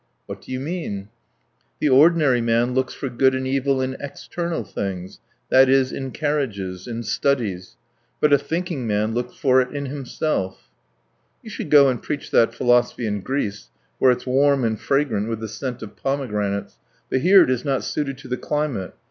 "What do you mean?" "The ordinary man looks for good and evil in external things that is, in carriages, in studies but a thinking man looks for it in himself." "You should go and preach that philosophy in Greece, where it's warm and fragrant with the scent of pomegranates, but here it is not suited to the climate.